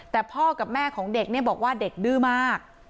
แต่พ่อกับแม่ของเด็กเนี่ยบอกว่าเด็กดื้อมาก